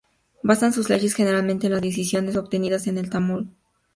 Basan sus leyes generalmente en las decisiones obtenidas en el Talmud.